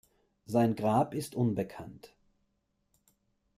Sein Grab ist unbekannt.